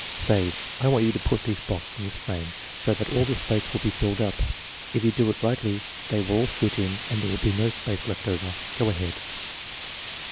Say: I want you to put these blocks in this frame so that dl the space will be filled up. If you do it rigidly they ynll all fit in and there will be no space left over. Go ahead."